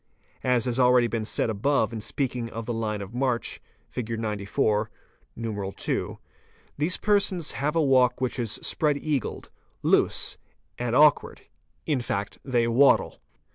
As has already been said above in speaking of the line of march (fig. 94, I1.), these persons have a walk which is spread eagled, loose, and awkward, in fact they waddle.